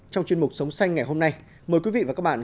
trong chuyên mục sống xanh ngày hôm nay mời quý vị và các bạn